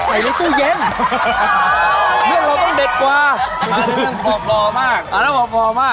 แบบนั้นเอาหอบรอมาก